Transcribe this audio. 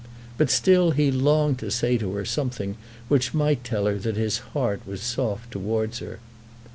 But still he longed to say to her something which might tell her that his heart was soft towards her.